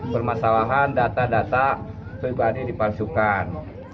bermasalahan data data pribadi dipansukan